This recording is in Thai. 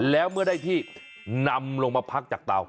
แล้วเมื่อได้ที่นำลงมาพักจากเตา